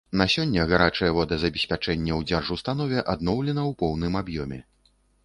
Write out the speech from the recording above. На сёння гарачае водазабеспячэнне ў дзяржустанове адноўлена ў поўным аб'ёме.